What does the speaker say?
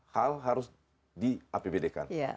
hal harus di apbd kan